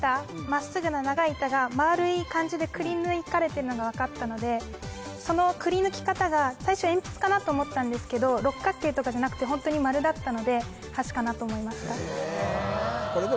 まっすぐな長い板が丸い感じでくりぬかれてるのが分かったのでそのくりぬき方が最初鉛筆かなと思ったんですけど六角形とかじゃなくてホントに丸だったので箸かなと思いましたへえ